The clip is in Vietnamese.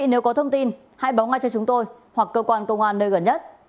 nếu có thông tin hãy báo ngay cho chúng tôi hoặc cơ quan công an nơi gần nhất